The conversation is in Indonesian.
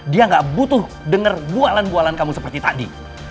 dia gak butuh denger bualan bualan kamu seperti tadi